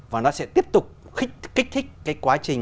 và nó sẽ tiếp tục kích thích cái quá trình